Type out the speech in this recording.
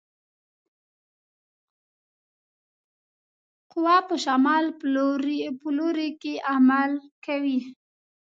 قوه په شمال په لوري کې عمل کوي.